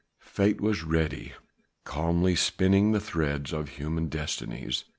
Fate was ready, calmly spinning the threads of human destinies.